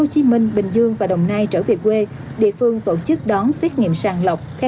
hồ chí minh bình dương và đồng nai trở về quê địa phương tổ chức đón xét nghiệm sàn lọc theo